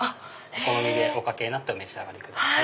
お好みでおかけになってお召し上がりください。